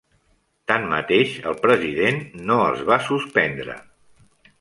Tanmateix, el president no els va suspendre.